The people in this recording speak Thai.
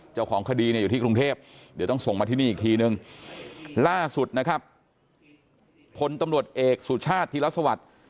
เจ้าของคดีเนี่ยอยู่ที่กรุงเทพเดี๋ยวต้องส่งมาที่นี่อีกทีนึงล่าสุดนะครับพลตำรวจเอกสุชาติธิรสวัสดิ์